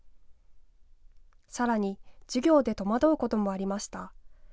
さらに、授業で戸惑うこともありました。